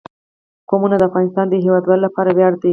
قومونه د افغانستان د هیوادوالو لپاره ویاړ دی.